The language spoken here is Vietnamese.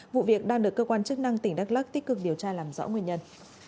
vụ việc đang được cơ quan chức năng tỉnh đắk lắc tích cực điều tra làm rõ nguyên nhân